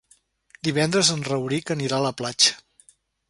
Divendres en Rauric anirà a la platja.